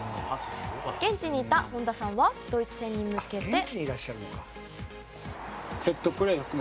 現地にいた本田さんはドイツ戦に向けて。